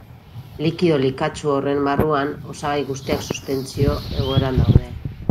Likido likatsu honen barruan, osagai guztiak suspentsio egoeran daude.